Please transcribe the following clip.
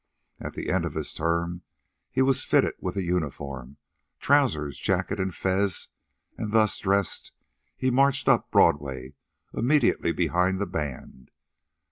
At the end of his term he was fitted with a uniform trousers, jacket, and fez, and, thus dressed, he marched up Broadway, immediately behind the band.